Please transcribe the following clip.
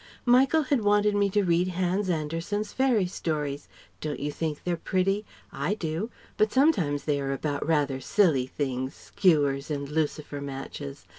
Michael had wanted me to read Hans Andersen's fairy stories don't you think they're pretty? I do; but sometimes they are about rather silly things, skewers and lucifer matches